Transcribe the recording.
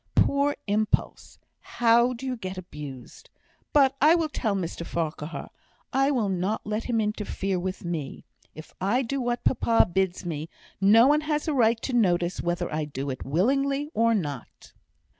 Poor impulse! how you do get abused. But I will tell Mr Farquhar I will not let him interfere with me. If I do what papa bids me, no one has a right to notice whether I do it willingly or not."